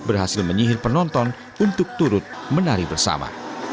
dan berhasil menyihir penonton untuk turut menari bersama